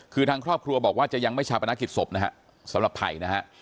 คือทางครอบครัวบอกว่าจะยังไม่ชาปนกิจศพนะฮะสำหรับภัยนะฮะ